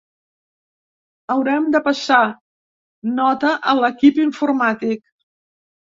Haurem de passar nota a l'equip informàtic.